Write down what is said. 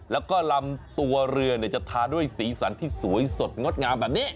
แล้วก็ลำตัวเรือจะทาด้วยสีสันที่สวยสดงดงามแบบนี้